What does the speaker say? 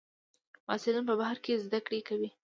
محصلین په بهر کې زده کړې کوي.